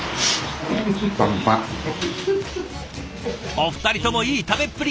お二人ともいい食べっぷり！